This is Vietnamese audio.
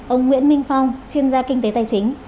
ông nguyễn minh phong chuyên gia kinh tế tài chính